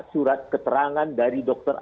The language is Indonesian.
surat keterangan dari dokter